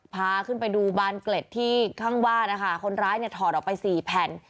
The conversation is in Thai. พาขึ้นไปดูบานเกล็ดที่ข้างบ้านนะคะคนร้ายเนี่ยถอดออกไปสี่แผ่น